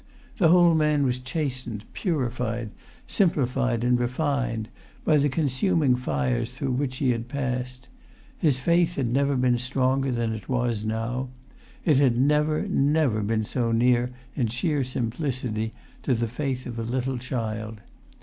The whole man was chastened, purified, simplified and refined, by the consuming fires through which he had passed. His faith had never been stronger than it was now; it had never, never been so near in sheer simplicity to the faith of a little child.